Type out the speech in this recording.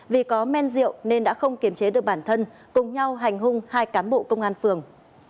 vì có men rượu nên đã không kiềm chế được bản thân cùng nhau hành hung hai cán bộ công an phường